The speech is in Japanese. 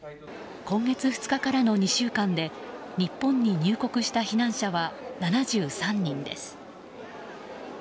今月２日からの２週間で日本に入国した避難者は７３人です。